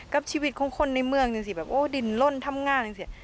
กับชีวิตของคนในเมืองนี่สิแบบโอ้ดินล่นทำงานจริง